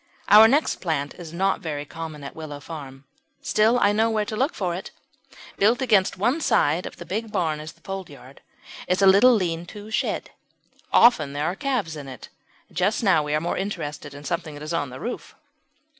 Our next plant is not very common at Willow Farm; still I know where to look for it. Built against one side of the big barn in the foldyard is a little lean to shed. Often there are calves in it; but just now we are more interested in something that is on the roof.